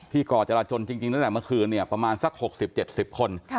ก่อจราจนจริงตั้งแต่เมื่อคืนเนี่ยประมาณสัก๖๐๗๐คน